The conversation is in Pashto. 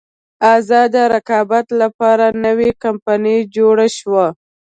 ازاد رقابت لپاره نوې کمپنۍ جوړه شوه.